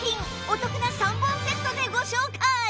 お得な３本セットでご紹介！